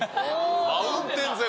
マウンテン攻め。